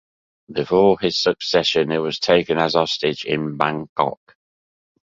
Before his succession he was taken as hostage in Bangkok.